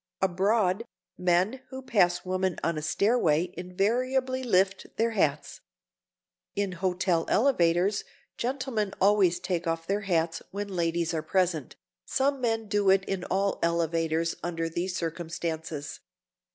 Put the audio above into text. Abroad, men who pass women on a stairway invariably lift their hats. In hotel elevators, gentlemen always take off their hats when ladies are present,—some men do it in all elevators under these circumstances.